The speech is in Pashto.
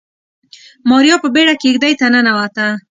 ماريا په بيړه کېږدۍ ته ننوته.